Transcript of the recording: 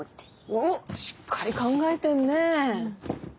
おっしっかり考えてんね。